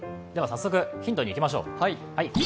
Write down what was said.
早速ヒントにいきましょう。